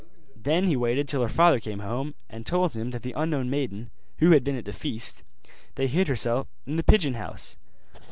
Then he waited till her father came home, and told him that the unknown maiden, who had been at the feast, had hid herself in the pigeon house.